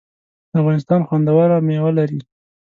افغانستان خوندوری میوی لري